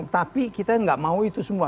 tapi kita nggak mau itu semua